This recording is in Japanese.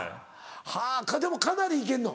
はぁでもかなり行けんの？